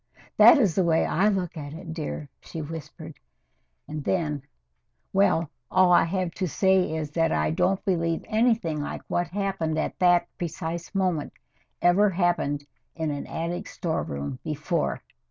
"That is the way I look at it, dear," she whispered, and then well, all I have to say is that I don't believe anything like what happened at that precise moment ever happened in an attic storeroom before.